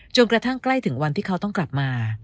กระทั่งใกล้ถึงวันที่เขาต้องกลับมา